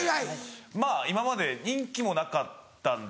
まぁ今まで人気もなかったんで。